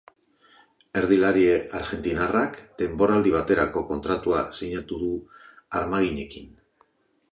Erdilari argentinarrak denboraldi baterako kontratua sinatu du armaginekin.